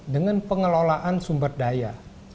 dengan pengelolaan sumber daya